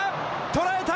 捉えた！